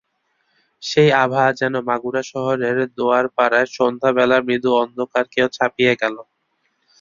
সেই আভা যেন মাগুরা শহরের দোয়ারপাড়ার সন্ধ্যা বেলার মৃদু অন্ধকারকেও ছাপিয়ে গেল।